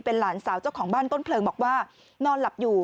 หลานสาวเจ้าของบ้านต้นเพลิงบอกว่านอนหลับอยู่